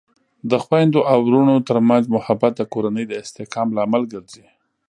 د خویندو او ورونو ترمنځ محبت د کورنۍ د استحکام لامل ګرځي.